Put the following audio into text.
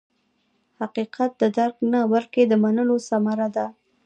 حقیقت د درک نه، بلکې د منلو ثمره ده.